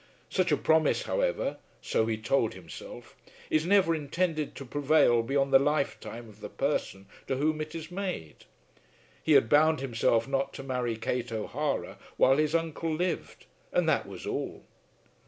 Such a promise, however, so he told himself is never intended to prevail beyond the lifetime of the person to whom it is made. He had bound himself not to marry Kate O'Hara while his uncle lived, and that was all.